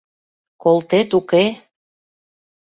— Колтет, уке?!.